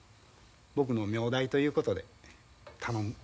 僕の名代ということで頼む。